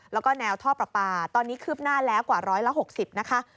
แล้วก็แนวท่อประปาตอนนี้คืบหน้าแล้วกว่า๑๖๐นะคะ